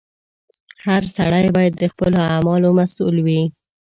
• هر سړی باید د خپلو اعمالو مسؤل وي.